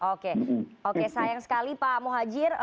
oke sayang sekali pak mohajir